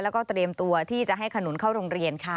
แล้วก็เตรียมตัวที่จะให้ขนุนเข้าโรงเรียนค่ะ